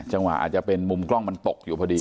จังหวะอาจจะเป็นมุมกล้องมันตกอยู่เพราะนี้